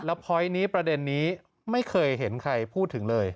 แล้วประเด็นนี้ไม่เคยเห็นใครพูดถึงเลย